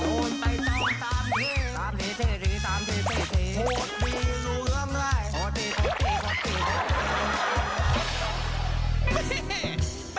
ส่วนไปส่วนไปส่วนไปส่วนไปส่วนไปส่วนไปส่วนไปส่วนไปส่วนไปส่วนไป